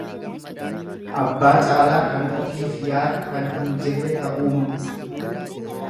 Abbaa caalaa kan ofiif yaadu kan hin jirre ta'uu mul'isa.